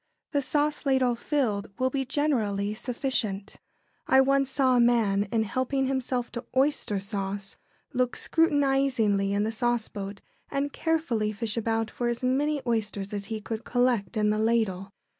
The sauce ladle, filled, will be generally sufficient. I once saw a man, in helping himself to oyster sauce, look scrutinisingly in the sauceboat and carefully fish about for as many oysters as he could collect in the ladle.